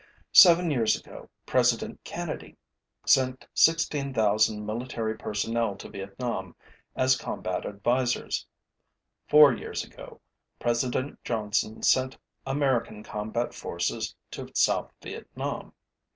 Seven years ago, President Kennedy sent 16,000 military personnel to Vietnam as combat advisers. Four years ago, President Johnson sent American combat forces to South Vietnam.